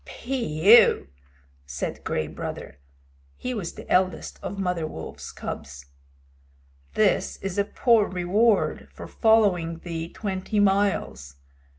"Phew!" said Gray Brother (he was the eldest of Mother Wolf's cubs). "This is a poor reward for following thee twenty miles.